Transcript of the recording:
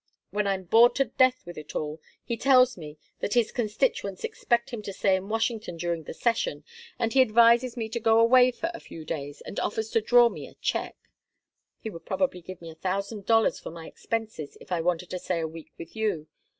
When I'm bored to death with it all, he tells me that his constituents expect him to stay in Washington during the session, and he advises me to go away for a few days, and offers to draw me a cheque. He would probably give me a thousand dollars for my expenses if I wanted to stay a week with you.